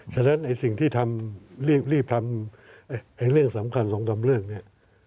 ฉะนั้นสิ่งที่รีบทำเรื่องสำคัญส่องตำเรื่องนี้